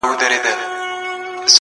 د تازه هوا مصرف یې ورښکاره کړ!